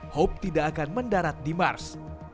hope tidak akan mendarat di mars